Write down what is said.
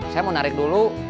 saya mau narik dulu